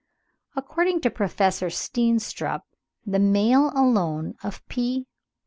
According to Professor Steenstrup, the male alone of P.